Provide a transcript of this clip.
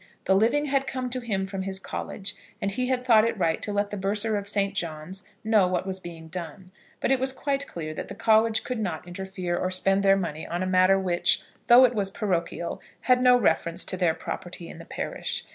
The living had come to him from his college, and he had thought it right to let the Bursar of Saint John's know what was being done; but it was quite clear that the college could not interfere or spend their money on a matter which, though it was parochial, had no reference to their property in the parish.